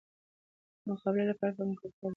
د مقابله لپاره به مو کافي خبرداری درلود.